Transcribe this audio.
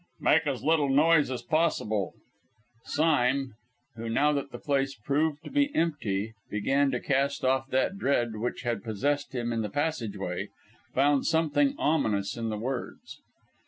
"Make as little noise as possible." Sime, who, now that the place proved to be empty, began to cast off that dread which had possessed him in the passage way, found something ominous in the words.